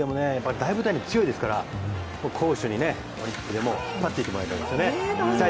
大舞台に強いですから攻守にオリンピックでも引っ張っていってもらいたいですね。